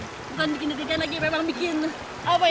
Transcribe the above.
bukan bikin deg degan lagi memang bikin jantung lumayan ini